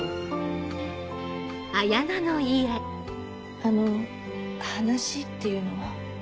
あの話っていうのは。